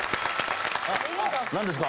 ・何ですか？